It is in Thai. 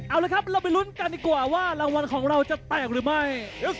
เอาละครับเราไปลุ้นกันดีกว่าว่ารางวัลของเราจะแตกหรือไม่